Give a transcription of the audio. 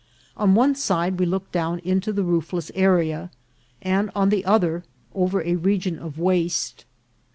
On one side we looked down into the roofless area, and on the other over a region of waste.